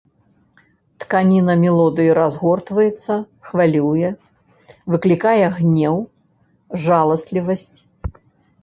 Тканіна мелодыі разгортваецца, хвалюе, выклікае гнеў, жаласлівасць.